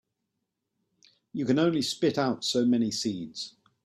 You can only spit out so many seeds.